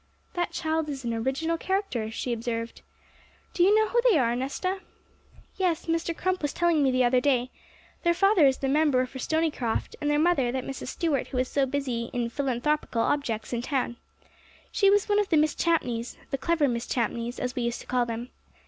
'That child is an original character,' she observed. 'Do you know who they are, Nesta?' 'Yes, Mr. Crump was telling me the other day; their father is the Member for Stonycroft, and their mother that Mrs. Stuart who is so busy in philanthropical objects in town. She was one of the Miss Champneys, the clever Miss Champneys, as we used to call them.